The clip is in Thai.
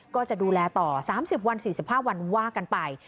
ก็จะดูแลต่อ๓๐วัน๔๕วันว่ากันไป